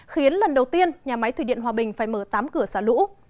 khiến lần đầu tiên nhà máy thủy điện hòa bình phải mở tám cửa xả lũ